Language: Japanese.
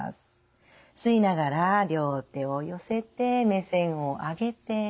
吸いながら両手を寄せて目線を上げて。